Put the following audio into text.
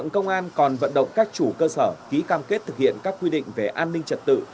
công an đã cam kết thực hiện các quy định về an ninh trật tự